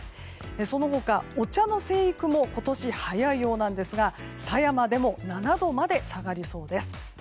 その他、お茶の生育も今年、早いようなんですが狭山でも７度まで下がりそうです。